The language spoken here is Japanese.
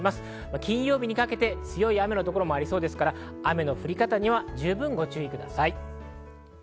金曜日にかけて強い雨の所もありますから、雨の降り方には十分ご注意ください。